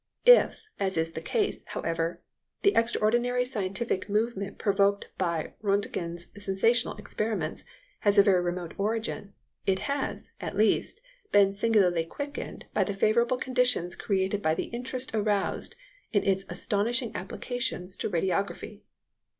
If, as is the case, however, the extraordinary scientific movement provoked by Röntgen's sensational experiments has a very remote origin, it has, at least, been singularly quickened by the favourable conditions created by the interest aroused in its astonishing applications to radiography.